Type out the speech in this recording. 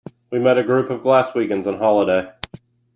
We met a group of Glaswegians on holiday.